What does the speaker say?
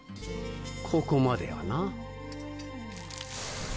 ここまではな。